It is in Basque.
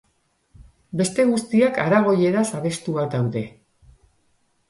Beste guztiak Aragoieraz abestuak daude.